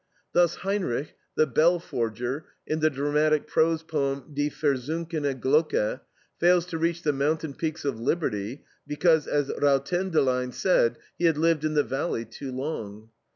Thus Heinrich, the bell forger, in the dramatic prose poem, DIE VERSUNKENE GLOCKE, fails to reach the mountain peaks of liberty because, as Rautendelein said, he had lived in the valley too long.